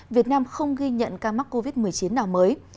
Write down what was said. việt nam không ghi nhận ca mắc covid một mươi chín nào mới